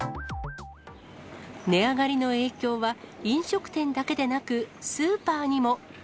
値上がりの影響は、飲食店だけでなく、スーパーにも。